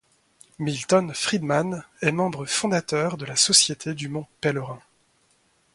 Milton Friedmann est membre fondateur de la Société du mont Pélerin